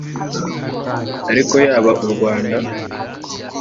Ariko yaba u Rwanda